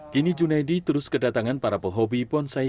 kini junaidi terus kedatangan para pohobat